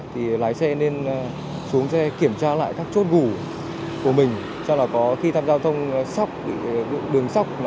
thì lái xe nên xuống xe kiểm tra lại các chốt ngủ